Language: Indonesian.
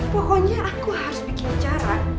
pokoknya aku harus bikin cara